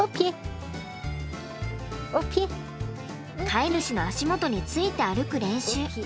飼い主の足元について歩く練習。